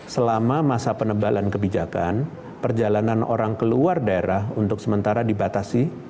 selama masa penebalan kebijakan perjalanan orang keluar daerah untuk sementara dibatasi